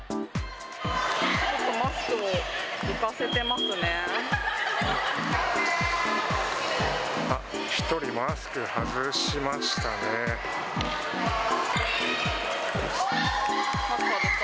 ちょっとマスクを浮かせてまあっ、１人、マスク外しましあっ、